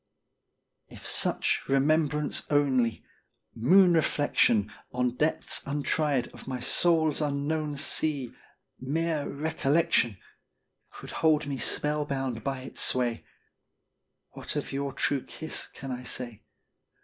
If such remembrance only moon reflection On depths untried of my soul's unknown sea Mere recollection Could hold me spellbound by its sway, What of your true kiss can I say?